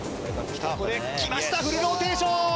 ここで、きました、フルローテーション。